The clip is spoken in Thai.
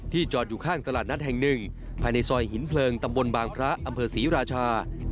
จอดอยู่ข้างตลาดนัดแห่งหนึ่งภายในซอยหินเพลิงตำบลบางพระอำเภอศรีราชา